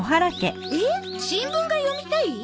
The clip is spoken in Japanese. えっ新聞が読みたい？